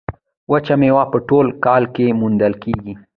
وچې میوې په ټول کال کې موندل کیږي.